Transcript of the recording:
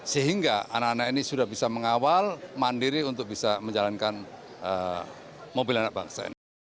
sehingga anak anak ini sudah bisa mengawal mandiri untuk bisa menjalankan mobil anak bangsa